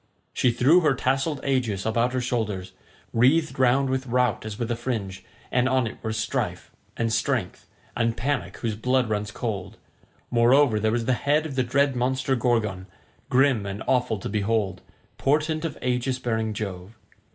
She threw her tasselled aegis about her shoulders, wreathed round with Rout as with a fringe, and on it were Strife, and Strength, and Panic whose blood runs cold; moreover there was the head of the dread monster Gorgon, grim and awful to behold, portent of aegis bearing Jove.